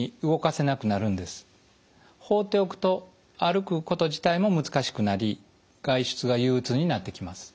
放っておくと歩くこと自体も難しくなり外出が憂鬱になってきます。